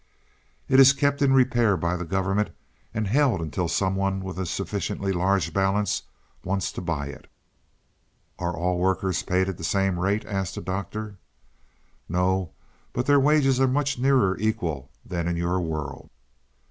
"It is kept in repair by the government and held until some one with a sufficiently large balance wants to buy it." "Are all workers paid at the same rate?" asked the Doctor. "No, but their wages are much nearer equal than in your world."